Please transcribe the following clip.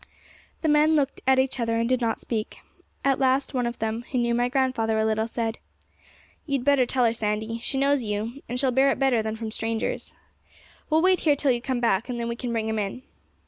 The men looked at each other and did not speak. At last one of them, who knew my grandfather a little, said, 'You'd better tell her, Sandy; she knows you, and she'll bear it better than from strangers; we'll wait here till you come back, and then we can bring him in.'